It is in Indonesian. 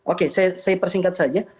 oke saya persingkat saja